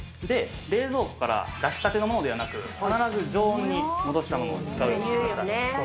冷蔵庫から出したてのものではなく、必ず常温に戻したものを使うようにしてください。